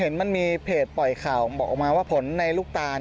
มันมีเพจปล่อยข่าวบอกออกมาว่าผลในลูกตา